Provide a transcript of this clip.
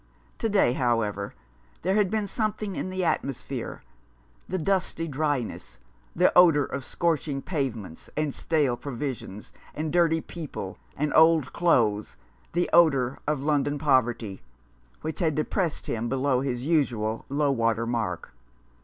To day, however, there had been something in the atmosphere — the dusty dryness, the odour of scorching pavements, and stale provisions, and dirty people, and old clothes, the odour of London poverty — which had depressed him below his usual low water mark.